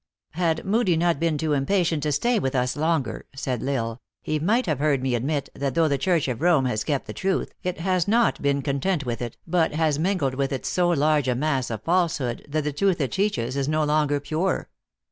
" Had Moodie not been too impatient to stay with us longer," said L Isle, "he might have heard me admit, that though the Church of Rome has kept the truth, it has not been content with it, but has mingled with it so large a mass of falsehood, that the truth it 24:2 THE ACTRESS IN HIGH LIFE. teaches is no longer pure.